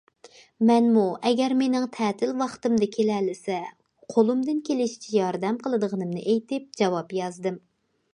مەنمۇ ئەگەر مېنىڭ تەتىل ۋاقتىمدا كېلەلىسە قولۇمدىن كېلىشىچە ياردەم قىلىدىغىنىمنى ئېيتىپ جاۋاب يازدىم.